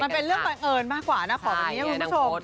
มันเป็นเรื่องบังเอิญมากกว่านะขอแบบนี้คุณผู้ชม